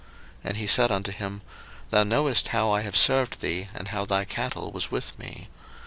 01:030:029 And he said unto him, Thou knowest how I have served thee, and how thy cattle was with me.